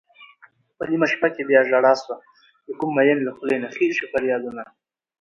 په نېمه شپه کې بياژړا سوه دکوم مين له خولې نه خيژي فريادونه